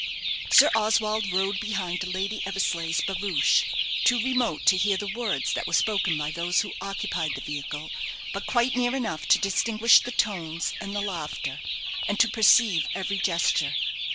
Sir Oswald rode behind Lady Eversleigh's barouche, too remote to hear the words that were spoken by those who occupied the vehicle; but quite near enough to distinguish the tones and the laughter, and to perceive every gesture.